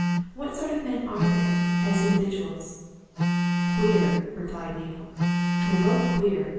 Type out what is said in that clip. What sort of men are they as individuals?" "Queer!" replied Neale. "They're both queer.